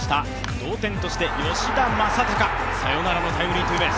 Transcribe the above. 同点として吉田正尚、サヨナラのツーベース。